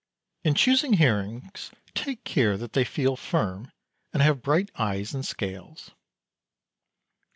In choosing herrings take care that they feel firm, and have bright eyes and scales.